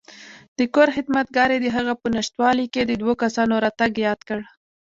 د کور خدمتګار یې دهغه په نشتوالي کې د دوو کسانو راتګ یاد کړ.